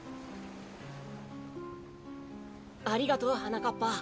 ありがとうはなかっぱ。